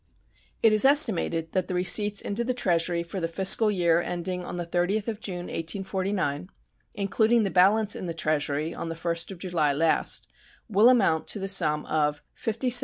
It is estimated that the receipts into the Treasury for the fiscal year ending on the 30th of June, 1849, including the balance in the Treasury on the 1st of July last, will amount to the sum of $57,048,969.